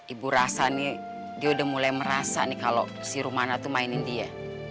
ibu rasa nih dia udah mulai merasa nih kalau si rumana tuh mainin dia